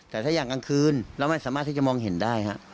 แต่ถ้าอย่างกลางคืนเราไม่สามารถที่จะมองเห็นได้ฮะ